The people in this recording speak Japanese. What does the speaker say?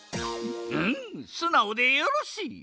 うむすなおでよろしい。